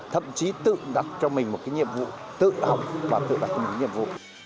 thậm chí tự đặt cho mình một cái nhiệm vụ tự học và tự đặt cho mình một cái nhiệm vụ